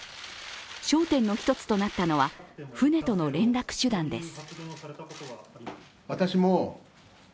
焦点の一つとなったのは、船との連絡手段です。